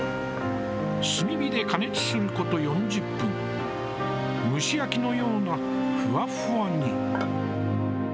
炭火で加熱すること４０分、蒸し焼きのような、ふわふわに。